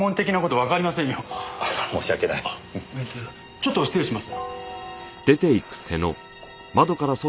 ちょっと失礼します。